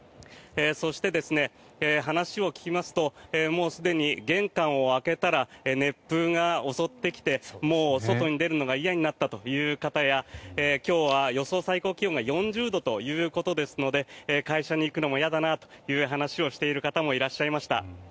そして、話を聞きますともうすでに玄関を開けたら熱風が襲ってきてもう外に出るのが嫌になったという方や今日は予想最高気温が４０度ということですので会社に行くのも嫌だなという話をしている方もいらっしゃいました。